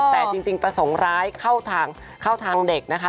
แต่จริงประสงค์ร้ายเข้าทางเด็กนะคะ